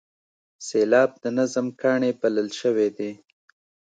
سېلاب د نظم کاڼی بلل شوی دی.